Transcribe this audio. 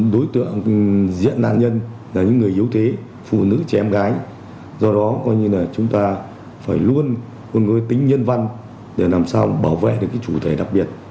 đối tượng diện nạn nhân là những người yếu thế phụ nữ trẻ em gái do đó coi như là chúng ta phải luôn luôn có tính nhân văn để làm sao bảo vệ được chủ thể đặc biệt